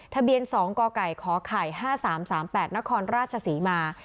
ทะเบียน๒กกขไข่๕๓๓๘นครราชศรีมา